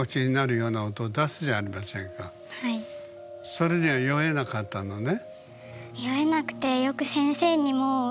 それには酔えなかったのね？